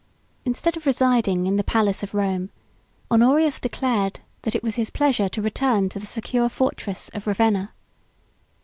Instead of residing in the palace of Rome, Honorius declared that it was his pleasure to return to the secure fortress of Ravenna.